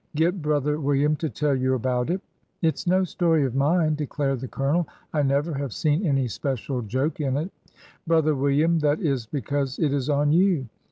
" Get brother William to tell you about it." " It 's no story of mine," declared the Colonel. " I never have seen any special joke in it." " Brother William, that is because it is on you.